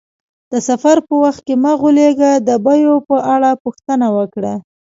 د سفر په وخت کې مه غولیږه، د بیو په اړه پوښتنه وکړه.